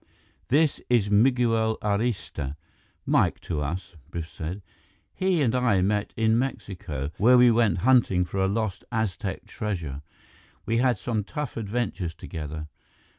"This is Miguel Arista Mike to us," Biff said. "He and I met in Mexico, where we went hunting for a lost Aztec treasure. We had some tough adventures together."